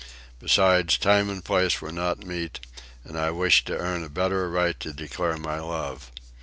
Besides, time and place were not meet, and I wished to earn a better right to declare my love.